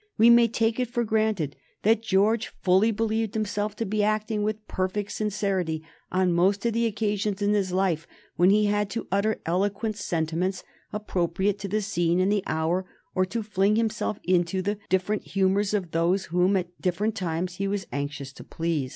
We may take it for granted that George fully believed himself to be acting with perfect sincerity on most of the occasions in his life when he had to utter eloquent sentiments appropriate to the scene and the hour, or to fling himself into the different humors of those whom, at different times, he was anxious to please.